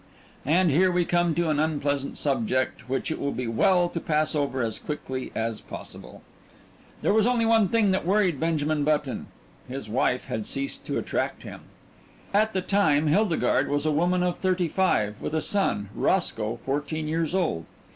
And here we come to an unpleasant subject which it will be well to pass over as quickly as possible. There was only one thing that worried Benjamin Button; his wife had ceased to attract him. At that time Hildegarde was a woman of thirty five, with a son, Roscoe, fourteen years old.